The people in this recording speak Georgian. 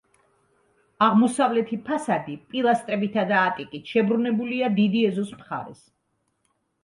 აღმოსავლეთი ფასადი პილასტრებითა და ატიკით შებრუნებულია დიდი ეზოს მხარეს.